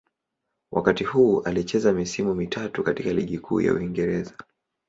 Wakati huu alicheza misimu mitatu katika Ligi Kuu ya Uingereza.